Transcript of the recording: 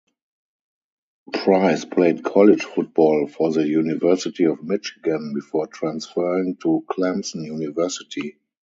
Pryce played college football for the University of Michigan before transferring to Clemson University.